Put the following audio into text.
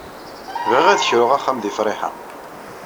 Bɣiɣ ad kruɣ axxam di Friḥa.